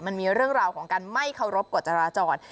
มันมีเรื่องราวของการไม่เคารพกฎจราจร